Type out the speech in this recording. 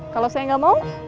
kalau saya gak mau